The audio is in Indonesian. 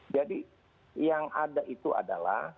jadi yang ada itu adalah